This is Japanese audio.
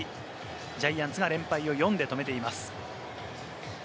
ジャイアンツが連敗を４で止めています。